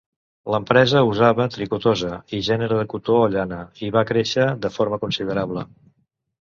L'empresa usava tricotosa i gènere de cotó o llana, i va créixer de forma considerable.